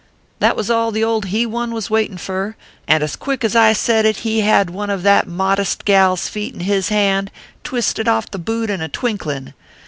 " That was all the old he one was waitin fur ; and as quick as I said it, he had one of that modest gal s feet in his hand, and twisted off the bute in a twink lin